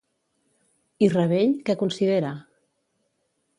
I Rabell, què considera?